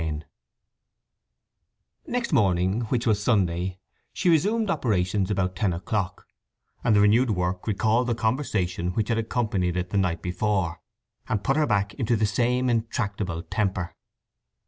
XI Next morning, which was Sunday, she resumed operations about ten o'clock; and the renewed work recalled the conversation which had accompanied it the night before, and put her back into the same intractable temper.